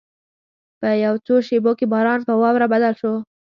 په یو څو شېبو کې باران په واوره بدل شو.